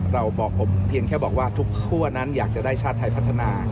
เราบอกผมเพียงแค่บอกว่าทุกคั่วนั้นอยากจะได้ชาติไทยพัฒนา